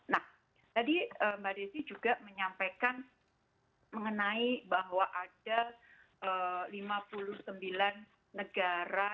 nah tadi mbak desi juga menyampaikan mengenai bahwa ada lima puluh sembilan negara